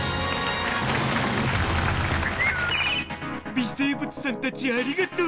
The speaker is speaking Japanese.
微生物さんたちありがとう！